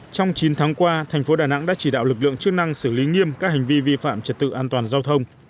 trong chín tháng qua thành phố đà nẵng đã chỉ đạo lực lượng chức năng xử lý nghiêm các hành vi vi phạm trật tự an toàn giao thông